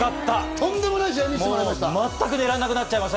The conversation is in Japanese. とんでもない試合を見せてもらいました！